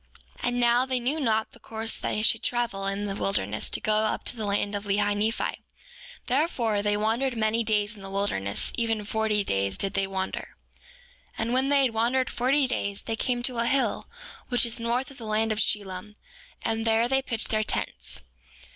7:4 And now, they knew not the course they should travel in the wilderness to go up to the land of Lehi Nephi; therefore they wandered many days in the wilderness, even forty days did they wander. 7:5 And when they had wandered forty days they came to a hill, which is north of the land of Shilom, and there they pitched their tents.